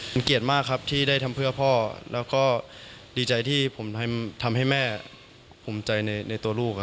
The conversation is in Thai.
มันเกลียดมากครับที่ได้ทำเพื่อพ่อแล้วก็ดีใจที่ผมทำให้แม่ภูมิใจในตัวลูก